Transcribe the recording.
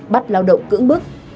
bắt lao động cững bức